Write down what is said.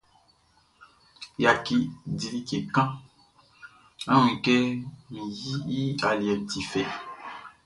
Yaki, di like kan; á wún kɛ min yiʼn i aliɛʼn ti fɛ.